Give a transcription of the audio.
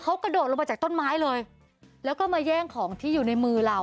ไม่ได้แย่งของที่อยู่ในมือเรา